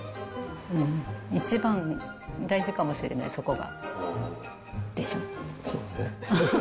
一番大事かもしれない、そこが。